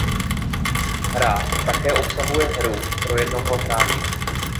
Hra také obsahuje hru pro jednoho hráče.